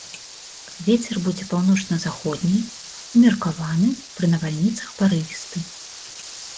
Вецер будзе паўночна-заходні, умеркаваны, пры навальніцах парывісты.